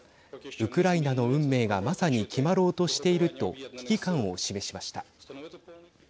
ウクライナの運命がまさに決まろうとしていると危機感を示しました。